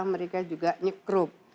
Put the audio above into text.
mereka juga nyekrup